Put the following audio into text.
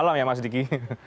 selamat malam ya mas diki